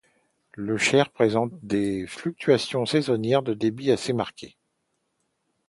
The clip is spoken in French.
Le Cher présente des fluctuations saisonnières de débit assez marquées.